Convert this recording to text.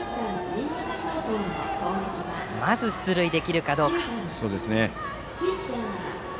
まず出塁できるかどうか。